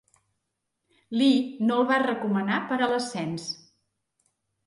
Lee no el va recomanar per a l'ascens.